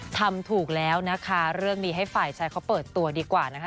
ทำถูกแล้วนะคะเรื่องนี้ให้ฝ่ายชายเขาเปิดตัวดีกว่านะคะ